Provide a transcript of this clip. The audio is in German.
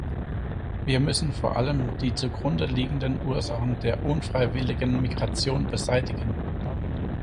Wir müssen vor allem die zugrunde liegenden Ursachen der unfreiwilligen Migration beseitigen.